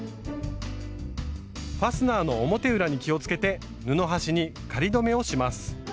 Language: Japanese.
ファスナーの表裏に気をつけて布端に仮止めをします。